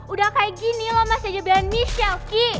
udah kayak gini lo masih aja bilang michelle ki